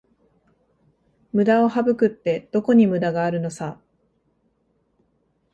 ムダを省くって、どこにムダがあるのさ